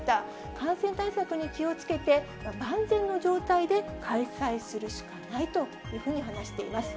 感染対策に気をつけて、万全の状態で開催するしかないというふうに話しています。